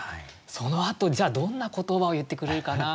そのあとじゃあどんな言葉を言ってくれるかな？